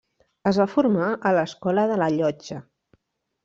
Es va formar a l'Escola de la Llotja.